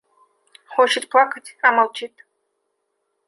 Хочет плакать, а молчит.